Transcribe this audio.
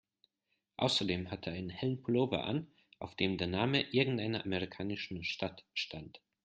Außerdem hatte er einen hellen Pullover an, auf dem der Name irgendeiner amerikanischen Stadt stand.